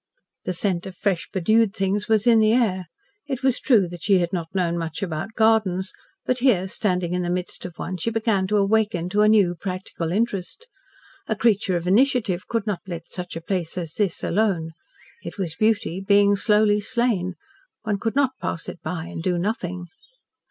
The scent of fresh bedewed things was in the air. It was true that she had not known much about gardens, but here standing in the midst of one she began to awaken to a new, practical interest. A creature of initiative could not let such a place as this alone. It was beauty being slowly slain. One could not pass it by and do nothing.